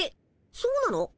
そうなの？